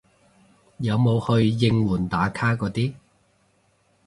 有冇去應援打卡嗰啲